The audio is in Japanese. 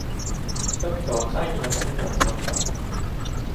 人々は会議のために集まった。